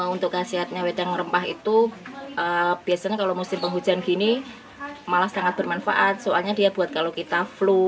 untuk khasiatnya wedang rempah itu biasanya kalau musim penghujan gini malah sangat bermanfaat soalnya dia buat kalau kita flu